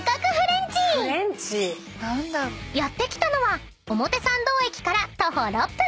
［やって来たのは表参道駅から徒歩６分］